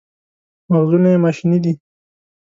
مغزونه یې ماشیني دي.